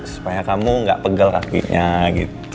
supaya kamu nggak pegel kakinya gitu